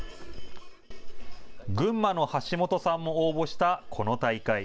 群馬の橋本さんも応募したこの大会。